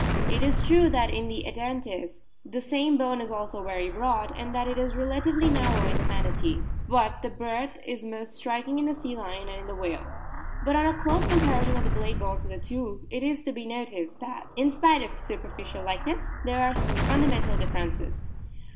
It is true that in Edentates the same bone is also very broad, and that it is relatively narrow in the Manatee ; but the breadth is most striking in the sea lion and in the whale. But on a close comparison of the blade bones of the two it is to be noticed that, in spite of superficial like ness, there are fundamental differences.